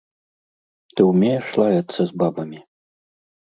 Ты ўмееш лаяцца з бабамі?